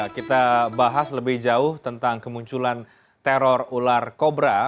kita bahas lebih jauh tentang kemunculan teror ular kobra